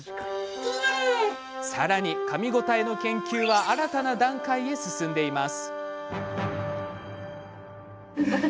さらに、かみ応えの研究は新たな段階へ進んでいます。